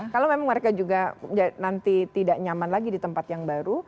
kalau memang mereka juga nanti tidak nyaman lagi di tempat yang baru